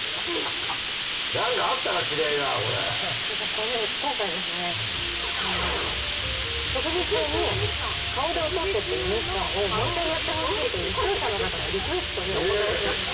これ今回ですね食事中に顔で落とせというミッションをもう１回やってほしいという視聴者の方のリクエストにお応えしました。